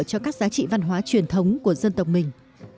cho các giá trị văn hóa truyền thống của dân tộc mình